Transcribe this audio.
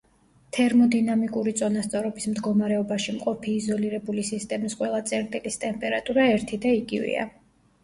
თერმოდინამიკური წონასწორობის მდგომარეობაში მყოფი იზოლირებული სისტემის ყველა წერტილის ტემპერატურა ერთი და იგივეა.